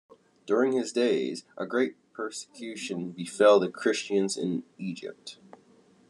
During his days, a great persecution befell the Christians in Egypt.